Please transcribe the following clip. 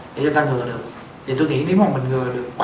để cho ta ngừa được thì tui nghĩ nếu mà mình ngừa được